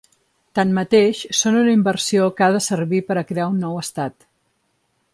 Tanmateix, són una inversió que ha de servir per a crear un nou estat.